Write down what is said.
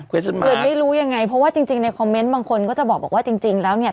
อื่นไม่รู้ยังไงเพราะว่าจริงในคอมเมนต์บางคนก็จะบอกว่าจริงจริงแล้วเนี่ย